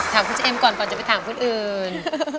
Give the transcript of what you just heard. ถามผู้เจ้าเอมก่อนก่อนจะไปถามผู้อื่น